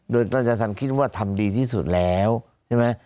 โดยราชธรรมคิดว่าทำดีที่สุดแล้วใช่ไหม